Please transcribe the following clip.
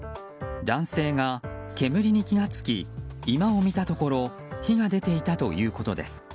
男性が、煙に気が付き居間を見たところ火が出ていたということです。